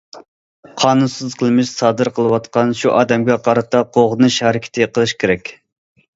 قانۇنسىز قىلمىش سادىر قىلىۋاتقان شۇ ئادەمگە قارىتا قوغدىنىش ھەرىكىتى قىلىش كېرەك.